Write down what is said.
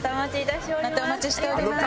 またお待ちしております。